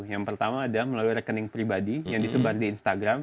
yang pertama adalah melalui rekening pribadi yang disebar di instagram